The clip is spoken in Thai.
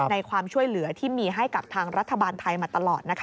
ความช่วยเหลือที่มีให้กับทางรัฐบาลไทยมาตลอดนะคะ